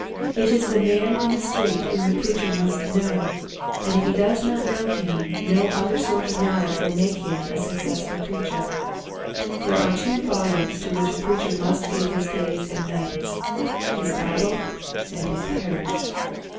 It is the man in the street whom the preacher must know, and if he does not know him no other sort of knowledge will make him a successful preacher. There are two volumes to which a preacher must give his days and nights, his Bible and his parish.